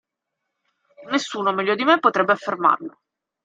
Nessuno meglio di me potrebbe affermarlo.